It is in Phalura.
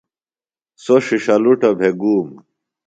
سوۡ ݜِݜلُٹوۡ بھےۡ گُوم۔